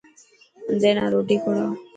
انڌي نا روٽي کوڙا.